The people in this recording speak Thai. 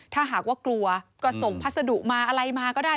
ถ้าหากว่ากลัวก็ส่งพัสดุมาอะไรมาก็ได้